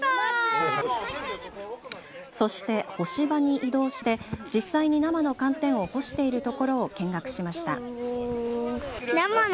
そして、干し場に移動して実際に生の寒天を干しているところを見学しました。